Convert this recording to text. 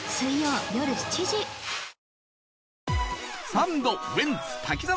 サンド、ウエンツ滝沢